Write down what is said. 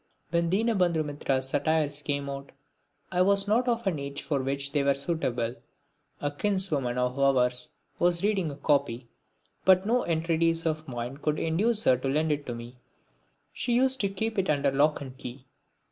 When Dinabandhu Mitra's satires came out I was not of an age for which they were suitable. A kinswoman of ours was reading a copy, but no entreaties of mine could induce her to lend it to me. She used to keep it under lock and key.